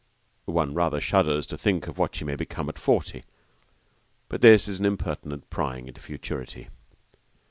One rather shudders to think of what she may become at forty, but this is an impertinent prying into futurity.